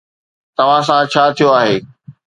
توهان سان ڇا ٿيو آهي؟